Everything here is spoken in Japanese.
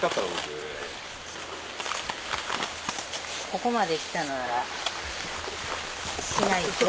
ここまで来たのならしないと。